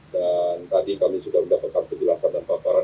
dan tadi kami sudah mendapatkan kejelasan dan pahamkanan